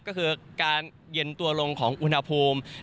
ก็คือการเย็นตัวลงของอุณหภูมิ